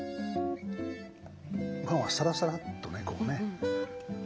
ごはんをサラサラッとねこうね。